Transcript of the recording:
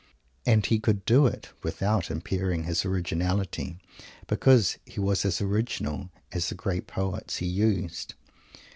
And he could do it without impairing his originality, because he was as original as the great poets he used.